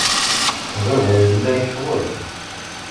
Baba yella yecɣel.